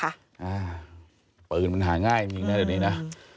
อ่าปืนมันหายง่ายอย่างนี้นะ